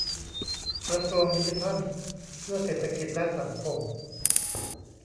กระทรวงดิจิทัลเพื่อเศรษฐกิจและสังคม